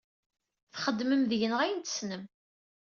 Txedmem deg-neɣ ayen i tessnem.